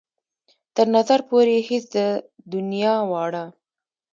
تر نظر پورې يې هېڅ ده د دنيا واړه.